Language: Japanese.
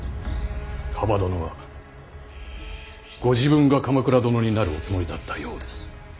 蒲殿はご自分が鎌倉殿になるおつもりだったようです。